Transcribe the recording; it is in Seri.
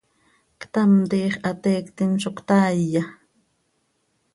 ¿Ctam, tiix hateiictim zo ctaaiya?